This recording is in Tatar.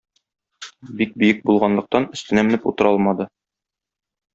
Бик биек булганлыктан, өстенә менеп утыра алмады.